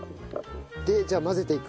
じゃあ混ぜていく。